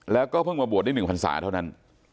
แล้วก็เพิ่งมาบวชได้๑พันศาเท่านั้น